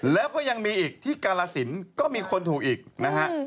แล้วก็ยังมีอีกที่กาลสินก็มีคนถูกอีกนะฮะ